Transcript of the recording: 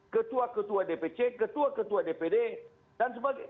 ketua ketua dpc ketua ketua dpd dan sebagainya